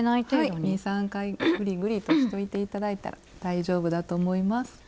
はい２３回ぐりぐりとしといて頂いたら大丈夫だと思います。